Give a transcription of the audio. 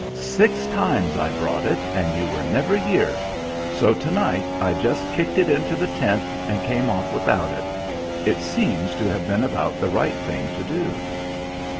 "Six times I brought it, and you were never here; so to night I just kicked it into the tent and came off without it. It seems to have been about the right thing to do."